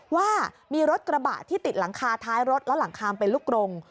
ว่ามีรถกระบะที่ติดหลังคาท้ายรถแล้วหลังคามเป็นลูกกรง